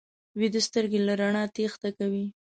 ویده سترګې له رڼا تېښته کوي